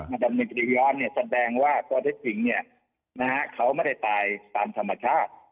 มาดำเนินคดีย้อนแสดงว่าป้อเทศจริงเขาไม่ได้ตายตามธรรมชาติ